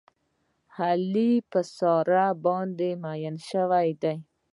علي په ساره باندې مین شوی دی.